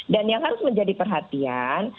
dan yang harus menjadi perhatian